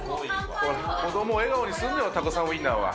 子どもを笑顔にするんだ、タコさんウインナーは。